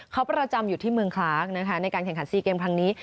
เขาประจำอยู่ที่เมืองคล้างนะคะในการแข่งขัน๔เกมครั้งนี้